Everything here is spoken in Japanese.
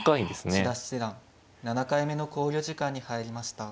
千田七段７回目の考慮時間に入りました。